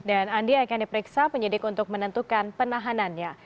dan andi akan diperiksa penyidik untuk menentukan penahanannya